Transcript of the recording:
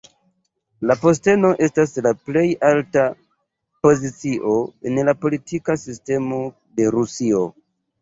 La posteno estas la plej alta pozicio en la politika sistemo de Rusio.